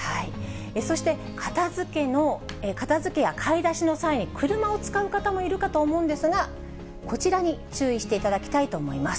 そして片づけや買い出しの際に、車を使う方もいるかと思うんですが、こちらに注意していただきたいと思います。